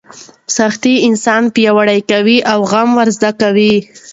سختۍ انسان پیاوړی کوي او زغم ور زده کوي.